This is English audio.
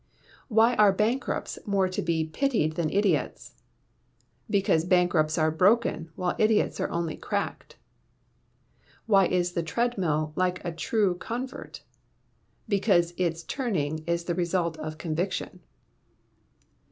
Why are bankrupts more to be pitied than idiots? Because bankrupts are broken, while idiots are only cracked. Why is the treadmill like a true convert? _Because it's turning is the result of conviction.